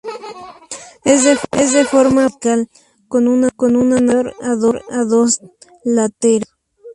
Es de forma basilical, con una nave mayor y dos laterales.